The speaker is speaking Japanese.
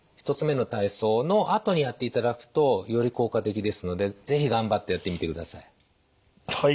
１つ目の体操のあとにやっていただくとより効果的ですので是非頑張ってやってみてください。